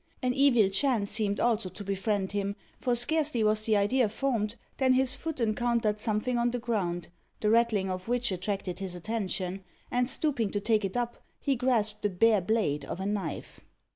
An evil chance seemed also to befriend him, for scarcely was the idea formed, than his foot encountered something on the ground, the rattling of which attracted his attention, and stooping to take it up, he grasped the bare blade of a knife.